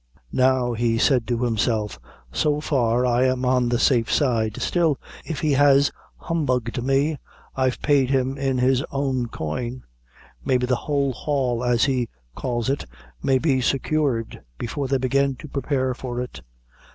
"Now," he said to himself, "so far I'm on the safe side; still, if he has humbugged me, I've paid him in his own coin. Maybe the whole haul, as he calls it, may be secured before they begin to prepare for it."